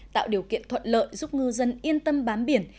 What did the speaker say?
tạo điều kiện thuận lợi giúp ngư dân yên tâm bám biển